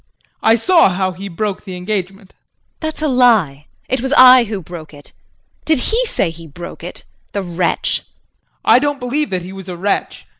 I saw how he broke the engagement. JULIE. That's a lie. It was I who broke it. Did he say he broke it the wretch! JEAN. I don't believe that he was a wretch.